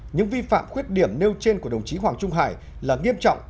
những vi phạm khuyết điểm nêu trên của đồng chí hoàng trung hải là nghiêm trọng